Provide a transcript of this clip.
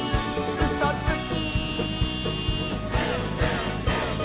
「うそつき！」